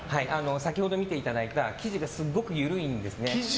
先ほど見ていただいた生地がすごく緩いんですね。